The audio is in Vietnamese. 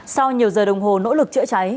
sau nhiều giờ đồng hồ nỗ lực chữa cháy